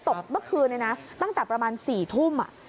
ตกเมื่อคืนนึงนะตั้งแต่ประมาณ๑๖๐๐น